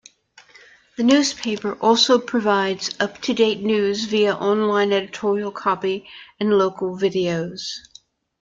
The newspaper also provides up-to-date news via online editorial copy and local videos.